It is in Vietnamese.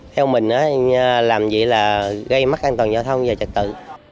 theo mình làm gì là gây mất an toàn giao thông và trạch tự